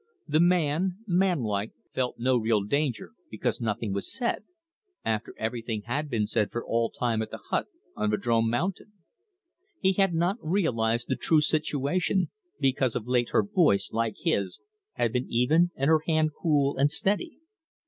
The man, manlike, felt no real danger, because nothing was said after everything had been said for all time at the hut on Vadrome Mountain. He had not realised the true situation, because of late her voice, like his, had been even and her hand cool and steady.